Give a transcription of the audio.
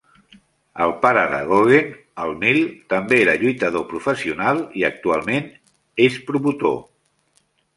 El pare de Goguen, Elmile, també era lluitador professional i actualment és promotor.